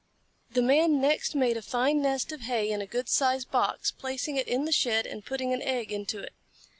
The Man next made a fine nest of hay in a good sized box, placing it in the shed and putting an egg into it.